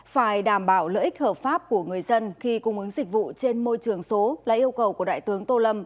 phải đảm bảo lợi ích hợp pháp của người dân khi cung ứng dịch vụ trên môi trường số là yêu cầu của đại tướng tô lâm